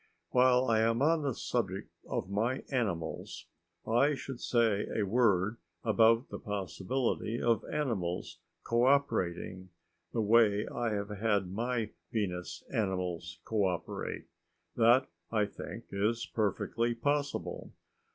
While I am on the subject of my animals, I should say a word about the possibility of animals cooperating the way I have had my Venus animals cooperate. That, I think, is perfectly possible.